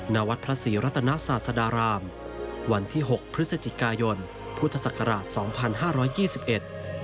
นาวัดพระศรีรัตนาสาสดารามวันที่๖พฤศจิกายนพุทธศักราช๒๕๒๑